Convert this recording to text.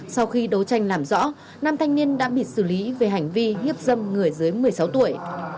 sau khi đấu tranh làm rõ nam thanh niên đã bị xử lý về hành vi hiếp dâm người dưới một mươi sáu tuổi